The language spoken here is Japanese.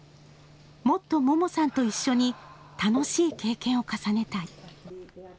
もっと桃さんと一緒に楽しい経験を重ねたい。